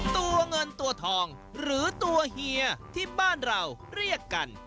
ตัวเงินตัวทองหรือตัวเฮียที่บ้านเราเรียกกัน